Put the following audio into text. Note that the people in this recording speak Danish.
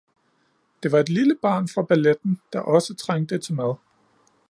Det var et lille barn fra balletten, der også trængte til mad